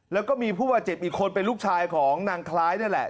แล้วก็มีผู้บาดเจ็บอีกคนเป็นลูกชายของนางคล้ายนั่นแหละ